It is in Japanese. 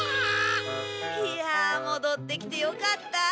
いやもどってきてよかった！